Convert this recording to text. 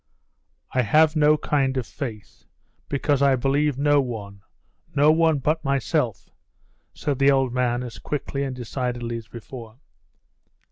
"I have no kind of faith, because I believe no one no one but myself," said the old man as quickly and decidedly as before.